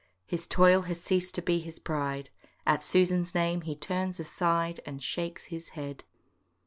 His toil has ceased to be his pride, At Susan's name he turns aside, And shakes his head.